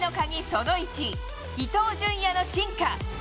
その１、伊東純也の進化。